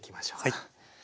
はい。